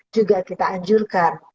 juga kita anjurkan